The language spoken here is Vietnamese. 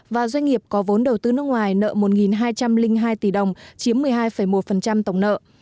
và doanh nghiệp có vốn đầu tư nước ngoài nợ một hai trăm linh hai tỷ đồng chiếm một mươi hai một tổng nợ